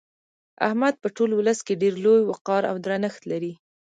احمد په ټول ولس کې ډېر لوی وقار او درنښت لري.